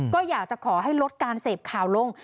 ก็อยากจะขอให้ลดการเสพข่าวลง